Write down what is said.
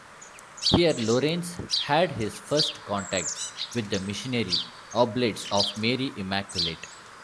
Here Lorenz had his first contact with the Missionary Oblates of Mary Immaculate.